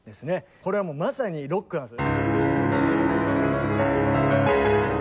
これはもうまさにロックなんです。